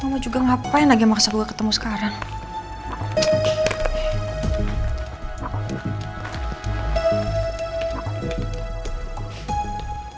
mama juga ngapain lagi maksa gue ketemu sekarang